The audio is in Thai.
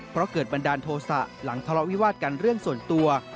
เพราะเกิดบันดาลโทษะหลังทะเลาะวิวาดกันเรื่องส่วนตัว